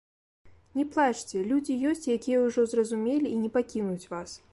Не плачце, людзі ёсць, якія ўжо зразумелі і не пакінуць вас.